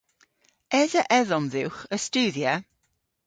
Esa edhom dhywgh a studhya?